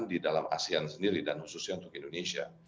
di dalam asean sendiri dan khususnya untuk indonesia